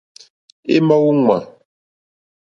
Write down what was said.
É ǃmá wúŋmā.